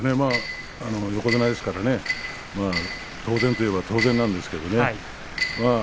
横綱ですから当然といえば当然なんですけれどね。